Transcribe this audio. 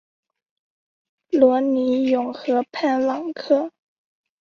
罗尼永河畔朗科。